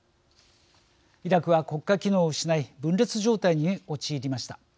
イラクは国家機能を失い分裂状態に陥りました。